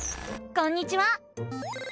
こんにちは！